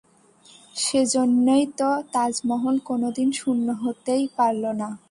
সেইজন্যেই তো তাজমহল কোনোদিন শূন্য হতেই পারল না।